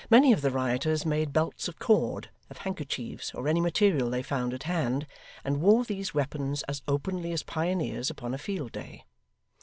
Many of the rioters made belts of cord, of handkerchiefs, or any material they found at hand, and wore these weapons as openly as pioneers upon a field day.